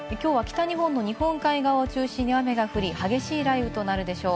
きょうは北日本の日本海側を中心に雨が降り激しい雷雨となるでしょう。